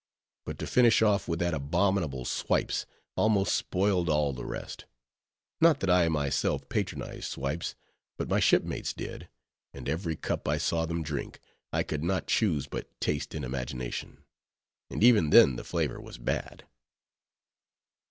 But to finish off with that abominable "swipes" almost spoiled all the rest: not that I myself patronized "swipes" but my shipmates did; and every cup I saw them drink, I could not choose but taste in imagination, and even then the flavor was bad.